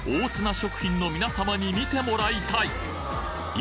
食品の皆さまに見てもらいたい！